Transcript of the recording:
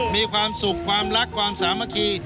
มีความสุขความรักความสามัคคี